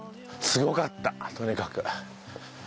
すごかったとにかく。